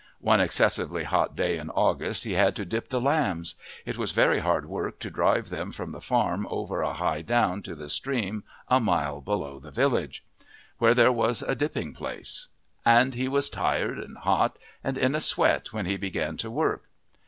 One excessively hot day in August he had to dip the lambs; it was very hard work to drive them from the farm over a high down to the stream a mile below the village, where there was a dipping place, and he was tired and hot, and in a sweat when he began the work.